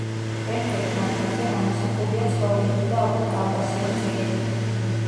ერთ-ერთ მათგანზე გამოსახულია ცხოველები და ალბათ კავკასიონის ქედი.